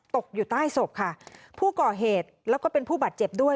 ตกอยู่ใต้ศพค่ะผู้ก่อเหตุแล้วก็เป็นผู้บาดเจ็บด้วย